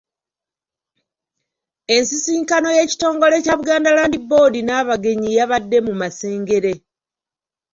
Ensisinkano y'ekitongole kya Buganda Land Board n'abagenyi yabadde mu Masengere.